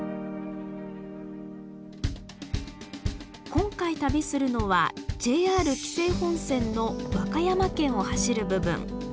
今回旅するのはＪＲ紀勢本線の和歌山県を走る部分。